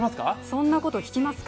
そんなこと聞きますか？